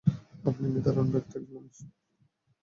আপনি নিদারুণ ব্যর্থ একজন মানুষ।